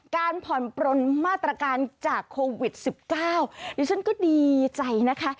การผ่อนปรนมาตรการจากโควิดสิบเก้าเดี๋ยวฉันก็ดีใจนะคะ